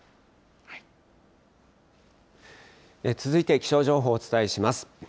続いては気象情報をお伝えします。